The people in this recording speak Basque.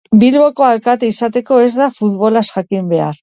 Bilboko alkate izateko ez da futbolaz jakin behar.